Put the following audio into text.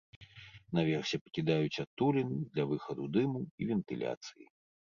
Наверсе пакідаюць адтуліну для выхаду дыму і вентыляцыі.